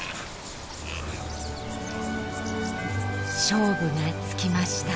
勝負がつきました。